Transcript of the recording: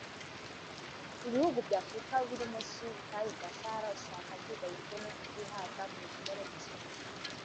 Ibihugu bya Afurika biri munsi y’ubutayu bwa Sahara usanga byugarijwe n’ukutihaza mu bikorwaremezo